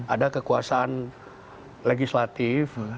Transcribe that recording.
ada kekuasaan legislatif